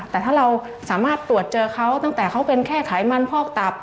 แต่ถ้าเราสามารถตรวจเจอเขาตั้งแต่เขาเป็นแค่ไขมันพอกตับ